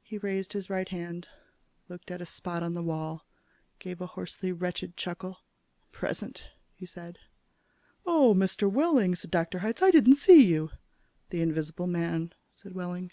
He raised his right hand, looked at a spot on the wall, gave a hoarsely wretched chuckle. "Present," he said. "Oh, Mr. Wehling," said Dr. Hitz, "I didn't see you." "The invisible man," said Wehling.